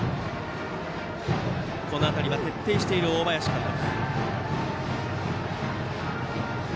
この辺りは徹底している大林監督。